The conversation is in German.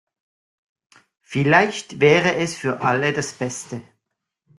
Vielleicht wäre es für alle das Beste.